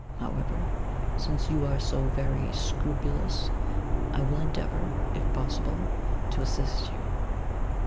However, since you are so very scrupulous, I will endeavour, if possible, to assist you.